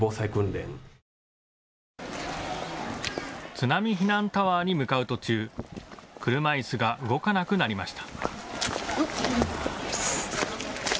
津波避難タワーに向かう途中、車いすが動かなくなりました。